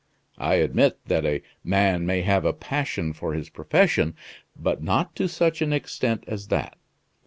I admit that a man may have a passion for his profession; but not to such an extent as that.